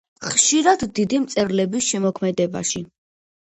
ხშირად დიდი მწერლების შემოქმედებაში.